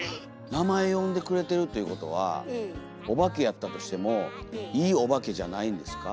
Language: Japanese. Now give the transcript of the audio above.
名前呼んでくれてるっていうことはおばけやったとしてもいいおばけじゃないんですか？